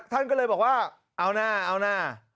ท่านก็เลยบอกว่าเอาหน้าเอาหน้า